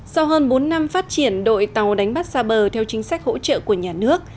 sau hơn bốn năm phát triển đội tàu đánh bắt xa bờ theo chính sách hỗ trợ của nhà nước